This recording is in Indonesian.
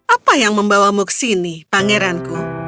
apa yang membawamu ke sini pangeranku